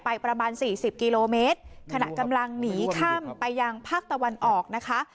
ประมาณสี่สิบกิโลเมตรขณะกำลังหนีข้ามไปยังภาคตะวันออกนะคะ